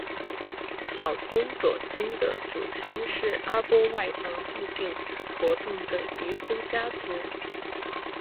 小松左京的祖先是阿波外房附近活动的渔夫家族。